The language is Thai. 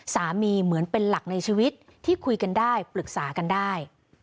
เหมือนเป็นหลักในชีวิตที่คุยกันได้ปรึกษากันได้